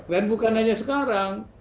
dan bukan hanya sekarang